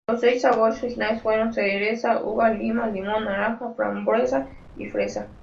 Los seis sabores originales fueron cereza, uva, lima-limón, naranja, frambuesa y fresa.